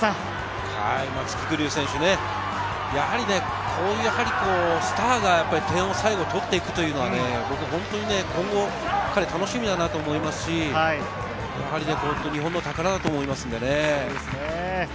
松木玖生選手、やはりスターが点を最後取っていくというのは、本当に今後、彼は楽しみだなと思いますし、日本の宝だと思いますのでね。